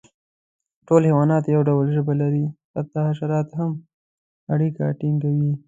ټول حیوانات یو ډول ژبه لري، حتی حشرات هم اړیکه ټینګوي.